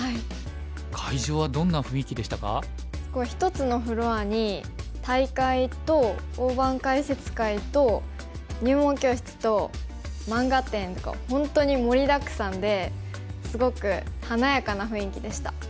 １つのフロアに大会と大盤解説会と入門教室と漫画展と本当に盛りだくさんですごく華やかな雰囲気でした。